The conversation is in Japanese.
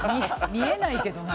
見えないけどね。